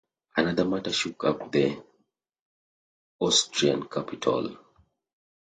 Another matter shook up the Austrian capital.